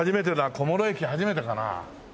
小諸駅初めてかな？